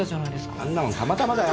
あんなもんたまたまだよ。